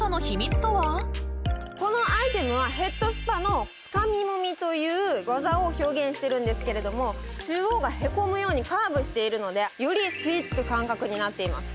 このアイテムはヘッドスパのつかみもみという技を表現してるんですけれども中央がへこむようにカーブしているのでより吸い付く感覚になっています。